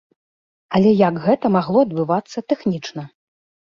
Але як гэта магло адбывацца тэхнічна?